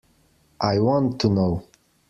I want to know.